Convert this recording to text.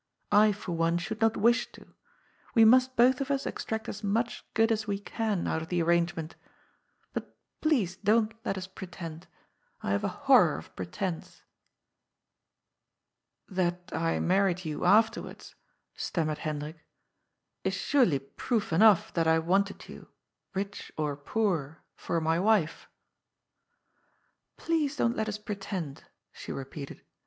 I, for one, shonld not wish to. We must both of us extract as much good as we can out of the arrangement. But please don't let us pretend. I haye a horror of pretence." " That I married you afterwards," stammered Hendrik, " is surely proof enough that I wanted you — ^rich or poor — for my wife." " Please don't let us pretend," she repeated.